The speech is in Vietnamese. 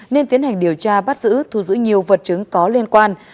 nên tiến hành điều tra bắt giữ thu giữ nhiều vật chứng có liên quan